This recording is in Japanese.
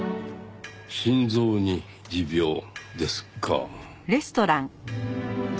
心臓に持病ですか。